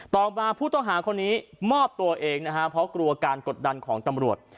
ต่อมาผู้ต้องหาคนนี้มอบตัวเองนะฮะเพราะกลัวการกดดันของตำรวจ